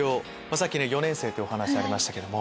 さっきね４年生っていうお話ありましたけども。